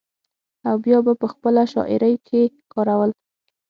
او بيا به پۀ خپله شاعرۍ کښې کارول ۔